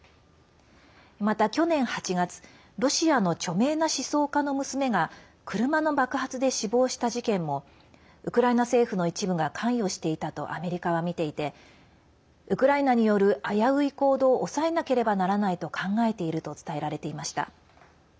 また、去年８月ロシアの著名な思想家の娘が車の爆発で死亡した事件もウクライナ政府の一部が関与していたとアメリカはみていてウクライナによる危うい行動を抑えなければならないと考えていると伝えられていました。